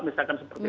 misalkan seperti itu